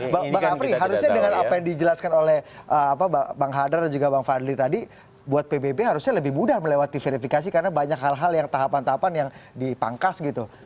bang afri harusnya dengan apa yang dijelaskan oleh bang hadar dan juga bang fadli tadi buat pbb harusnya lebih mudah melewati verifikasi karena banyak hal hal yang tahapan tahapan yang dipangkas gitu